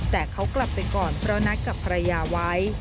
แต่เขากลับไปก่อนเพราะนัดกับภรรยาไว้